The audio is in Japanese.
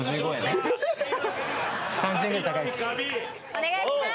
お願いします！